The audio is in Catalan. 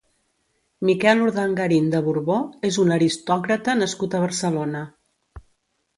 Miquel Urdangarín de Borbó és un aristòcrata nascut a Barcelona.